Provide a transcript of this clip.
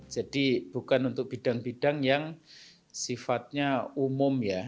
jadi bukan untuk bidang bidang yang sifatnya umum ya